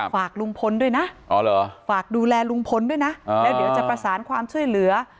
ฝากลุงพลด้วยนะฝากดูแลลุงพลด้วยนะแล้วเดี๋ยวจะประสานความช่วยเหลือ